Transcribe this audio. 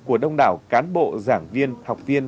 của đông đảo cán bộ giảng viên học viên